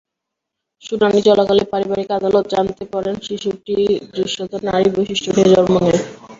শুনানি চলাকালে পারিবারিক আদালত জানতে পারেন, শিশুটি দৃশ্যত নারী বৈশিষ্ট্য নিয়ে জন্ম নেয়।